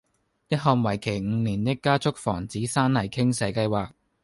一項為期五年的加速防止山泥傾瀉計劃